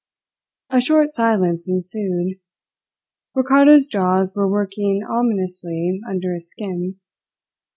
A short silence ensued. Ricardo's jaws were working ominously under his skin.